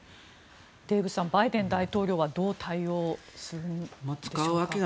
デーブさんバイデン大統領はどう対応するんでしょうか。